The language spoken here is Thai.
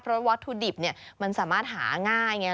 เพราะวัตถุดิบมันสามารถหาง่ายไง